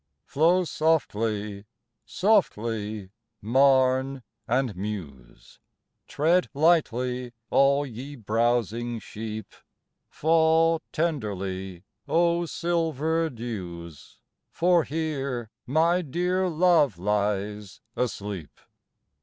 Flow softly, softly, Marne and Meuse ; Tread lightly, all ye browsing sheep ; Fall tenderly, O silver dews, For here my dear Love lies asleep.